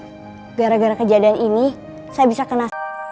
gara gara kejadian ini saya bisa kena